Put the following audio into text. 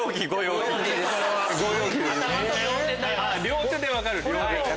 両手で分かる。